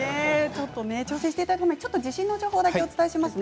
挑戦していただく前に地震の情報をお伝えします。